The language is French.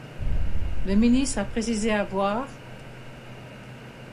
Le ministre a précisé avoir '.